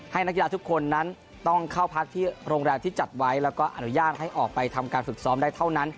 นักกีฬาทุกคนนั้นต้องเข้าพักที่โรงแรมที่จัดไว้แล้วก็อนุญาตให้ออกไปทำการฝึกซ้อมได้เท่านั้น